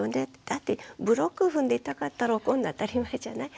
だってブロック踏んで痛かったら怒るの当たり前じゃない？